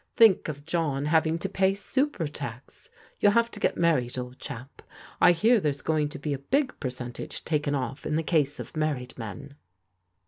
Think of John having to pay Super! Tax! You'll have to get married, old chap. I hear there's going to be a big percentage taken off in the case of married men."